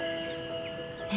え？